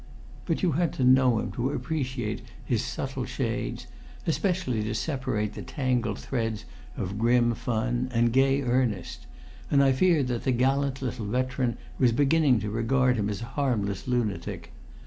But you had to know him to appreciate his subtle shades, especially to separate the tangled threads of grim fun and gay earnest, and I feared that the gallant little veteran was beginning to regard him as a harmless lunatic.